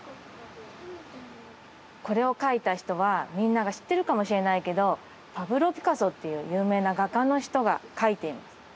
これを描いた人はみんなが知ってるかもしれないけどパブロ・ピカソっていう有名な画家の人が描いています。